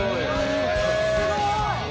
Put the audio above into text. すごい！